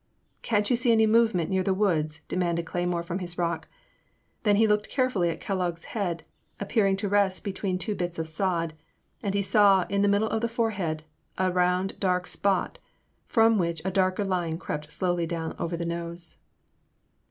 Can't you see any movement near the woods ?" demanded Cleymore from his rock. Then he looked carefully at Kellogg' s head, ap pearing to rest between two bits of sod, and he saw, in the middle of the forehead, a round dark spot from which a darker line crept slowly down over the nose.